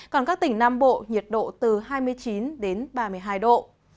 còn các tỉnh nam bộ nhiệt độ từ hai mươi chín đến ba mươi hai độ